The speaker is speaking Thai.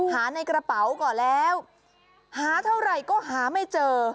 หาในกระเป๋าก่อนแล้วหาเท่าไหร่ก็หาไม่เจอ